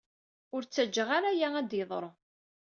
Ur ttaǧǧaɣ ara aya ad yeḍṛu.